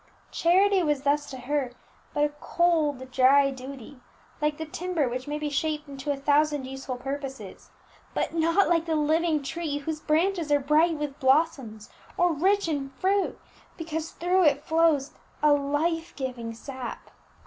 Charity was thus to her but a cold dry duty, like the timber which may be shaped into a thousand useful purposes; but not like the living tree whose branches are bright with blossoms or rich in fruit, because through it flows the life giving sap.